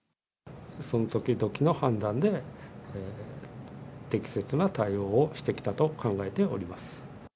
その時々の判断で、適切な対応をしてきたと考えております。